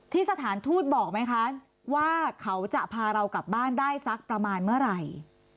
สถานทูตบอกไหมคะว่าเขาจะพาเรากลับบ้านได้สักประมาณเมื่อไหร่